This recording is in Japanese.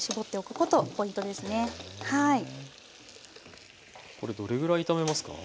これどれぐらい炒めますか？